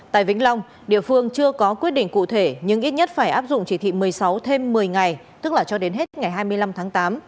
tại vĩnh long địa phương chưa có quyết định cụ thể nhưng ít nhất phải áp dụng chỉ thị một mươi sáu thêm một mươi ngày tức là cho đến hết ngày hai mươi năm tháng tám